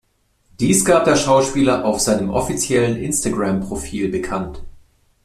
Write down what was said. Dies gab der Schauspieler auf seinem offiziellen Instagram-Profil bekannt.